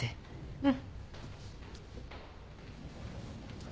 うん。